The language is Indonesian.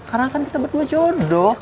karena kan kita berdua jodoh